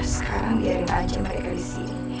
sekarang biarkan mereka di sini